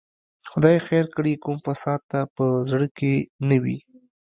خدای خیر کړي، کوم فساد ته په زړه کې نه وي.